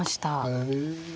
へえ。